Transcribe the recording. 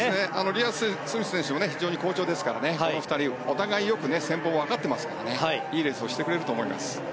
リア・スミス選手も好調ですから、この２人はお互いよく戦法を分かっていますからいいレースをしてくれると思います。